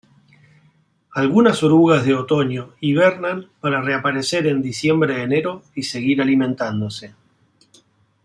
Algunas orugas de otoño hibernan para reaparecer en diciembre-enero y seguir alimentándose.